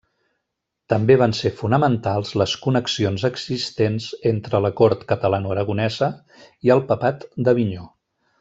També van ser fonamentals les connexions existents entre la cort catalanoaragonesa i el papat d’Avinyó.